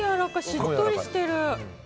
しっとりしてる。